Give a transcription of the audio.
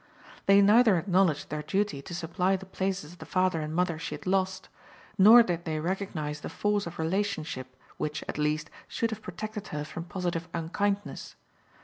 They neither acknowledged their duty to supply the places of the father and mother she had lost, nor did they recognize the force of relationship, which, at least, should have protected her from positive unkindness.